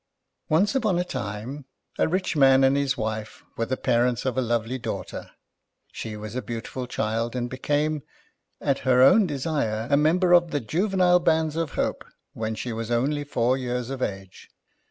Once upon a time, a rich man and his wife were the parents of a lovely daughter. She was a beautiful child, and became, at her own desire, a member of the Juvenile Bands of Hope when she was only four years of age.